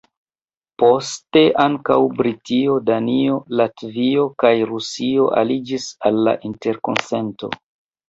Poste ankaŭ Britio, Danio, Latvio kaj Rusio aliĝis al la interkonsento.